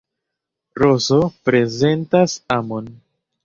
Rozo prezentas amon.